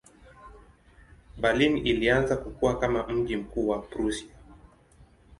Berlin ilianza kukua kama mji mkuu wa Prussia.